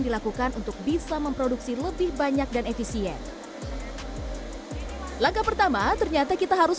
dilakukan untuk bisa memproduksi lebih banyak dan efisien langkah pertama ternyata kita harus